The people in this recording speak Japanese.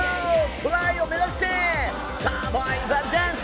トライを目指してサバイバルダンス！